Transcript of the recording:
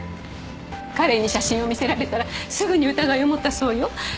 彼に写真を見せられたらすぐに疑いを持ったそうよ。